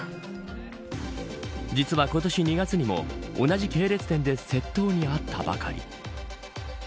実は今年２月にも同じ系列店で窃盗に遭ったばかり。